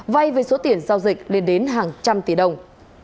vay với số tiền giao dịch lên đến hàng trăm tỷ đồng